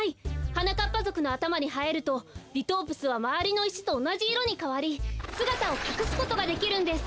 はなかっぱぞくのあたまにはえるとリトープスはまわりのいしとおなじいろにかわりすがたをかくすことができるんです。